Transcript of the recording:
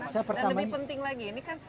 dan lebih penting lagi ini kan